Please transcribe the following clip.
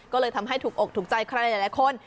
ก็เลยทำให้ถูกอกถูกใจใครหลายคน